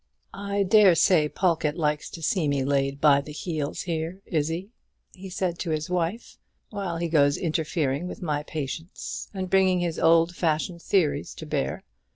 "I dare say Pawlkatt likes to see me laid by the heels here, Izzie," he said to his wife, "while he goes interfering with my patients, and bringing his old fashioned theories to bear.